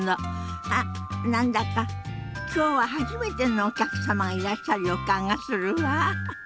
あっ何だか今日は初めてのお客様がいらっしゃる予感がするわ。